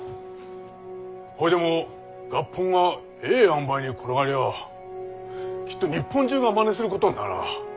ほいでも合本がええあんばいに転がりゃきっと日本中がまねすることにならぁ。